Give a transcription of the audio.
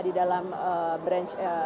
di dalam branch